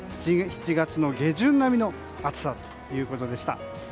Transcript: ７月の下旬並みの暑さということでした。